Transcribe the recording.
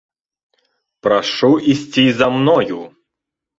Прашу ісці за мною!